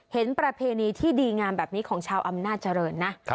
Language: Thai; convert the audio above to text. ประเพณีที่ดีงามแบบนี้ของชาวอำนาจเจริญนะ